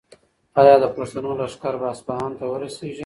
ایا د پښتنو لښکر به اصفهان ته ورسیږي؟